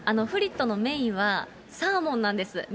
フリットのメインは、サーモンなんです。